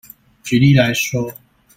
舉例來說